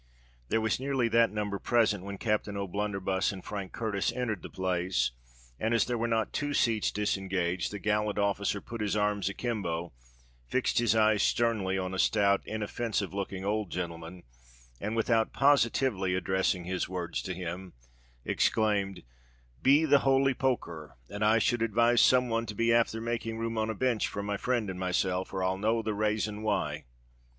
There was nearly that number present when Captain O'Blunderbuss and Frank Curtis entered the place; and as there were not two seats disengaged, the gallant officer put his arms akimbo, fixed his eyes sternly on a stout, inoffensive looking old gentleman, and, without positively addressing his words to him, exclaimed, "Be the holy poker r! and I should advise some one to be afther making room on a binch for my frind and myself—or I'll know the rayson why!"